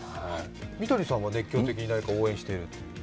三谷さんは何か熱狂的に応援している？